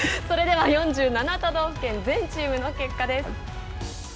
それでは、４７都道府県全チームの結果です。